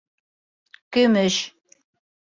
Көмөш